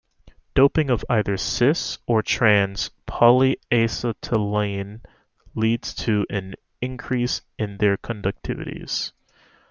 Doping of either "cis"- or "trans"-polyacetylene leads to an increase in their conductivities.